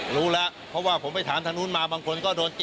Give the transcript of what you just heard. รู้ละเพราะว่าผมไปถามทัน